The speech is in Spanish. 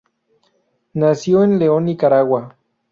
Nació en León, Nicaragua.